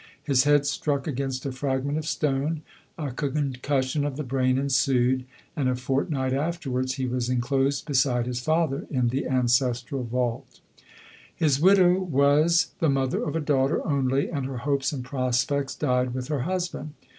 His head struck against a fragment of stone : a concussion of the brain ensued ; and a fortnight afterwards, he was enclosed beside his father, in the ancestral vault His widow was the mother of a daughter only ; and her hopes and prospects died with her husband.